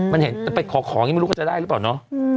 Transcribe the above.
มันเห็นไปขอของอย่างนี้ไม่รู้เขาจะได้หรือเปล่าเนอะ